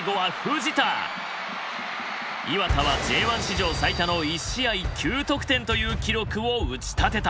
磐田はＪ１史上最多の１試合９得点という記録を打ち立てた。